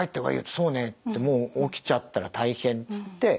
「そうね」ってもう起きちゃったら大変つって。